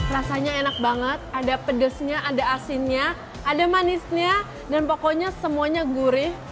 rasanya enak banget ada pedesnya ada asinnya ada manisnya dan pokoknya semuanya gurih